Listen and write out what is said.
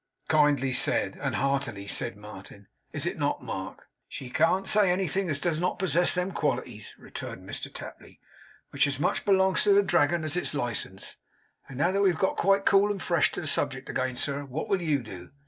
'Kindly said, and heartily!' said Martin. 'Is it not, Mark?' 'She can't say anything as does not possess them qualities,' returned Mr Tapley; 'which as much belongs to the Dragon as its licence. And now that we have got quite cool and fresh, to the subject again, sir; what will you do?